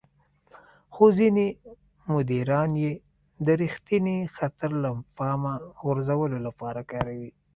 خو ځينې مديران يې د رېښتيني خطر له پامه غورځولو لپاره کاروي.